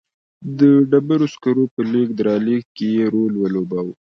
د ډبرو سکرو په لېږد رالېږد کې یې رول ولوباوه.